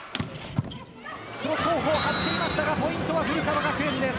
クロス方向張っていましたがポイントは古川学園です。